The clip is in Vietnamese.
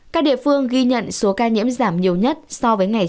các địa phương ghi nhận số ca nhiễm giảm nhiều nhất so với ngày trước